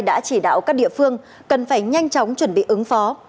đã chỉ đạo các địa phương cần phải nhanh chóng chuẩn bị ứng phó